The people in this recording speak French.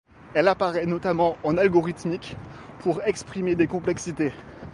Elle apparaît notamment en algorithmique, pour exprimer des complexités.